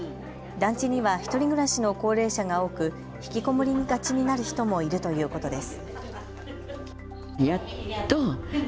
団地には１人暮らしの高齢者が多く引きこもりがちになる人もいるということです。